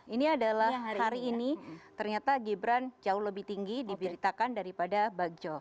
ini adalah hari ini ternyata gibran jauh lebih tinggi diberitakan daripada bagjo